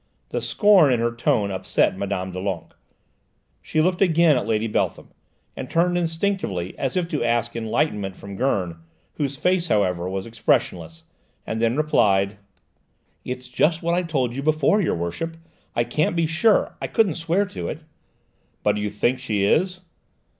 The scorn in her tone upset Mme. Doulenques. She looked again at Lady Beltham and turned instinctively as if to ask enlightenment from Gurn, whose face, however, was expressionless, and then replied: "It's just what I told you before, your worship: I can't be sure; I couldn't swear to it." "But you think she is?"